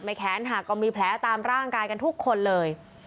แขนหักก็มีแผลตามร่างกายกันทุกคนเลย